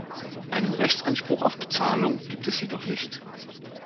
Einen Rechtsanspruch auf Bezahlung gibt es jedoch nicht.